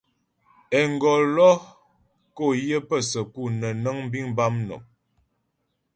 Engolo kǒ yə pə səku nə́ nəŋ biŋ bâ mnɔm.